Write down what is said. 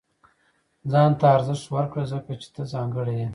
• ځان ته ارزښت ورکړه، ځکه چې ته ځانګړی یې.